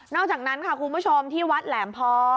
อกจากนั้นค่ะคุณผู้ชมที่วัดแหลมพอ